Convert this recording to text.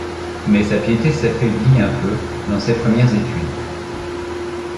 Mais sa piété s'affaiblit un peu dans ses premières études.